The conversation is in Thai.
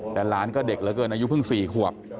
แต่หลานก็เด็กเหลือเกินอายุเพิ่ง๔ขวบ